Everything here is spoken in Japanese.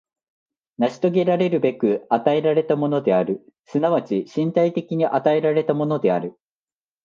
成し遂げらるべく与えられたものである、即ち身体的に与えられたものである。